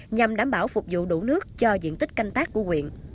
nhằm đảm bảo phục vụ đủ nước cho diện tích canh tác của quyện